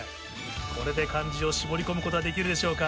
これで漢字を絞り込むことができるでしょうか？